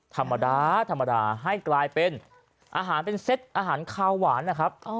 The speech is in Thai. ธรรมดาธรรมดาให้กลายเป็นอาหารเป็นเซตอาหารคาวหวานนะครับ